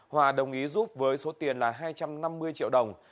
hòa đồng ý giúp với số tiền là hai trăm năm mươi triệu đồng